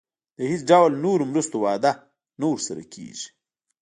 د هیڅ ډول نورو مرستو وعده نه ورسره کېږي.